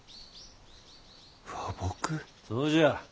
そうじゃ。